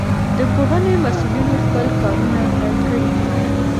د پوهنې مسئولينو خپل کارونه پيل کړي دي.